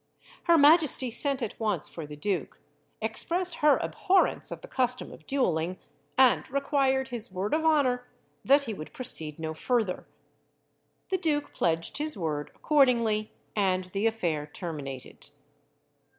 Her Majesty sent at once for the duke, expressed her abhorrence of the custom of duelling, and required his word of honour that he would proceed no further. The duke pledged his word accordingly, and the affair terminated.